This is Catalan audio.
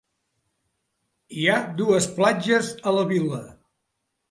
Hi ha dues platges a la vila.